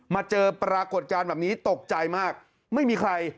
เจอปรากฏการณ์แบบนี้ตกใจมากไม่มีใคร